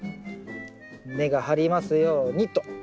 根が張りますようにと。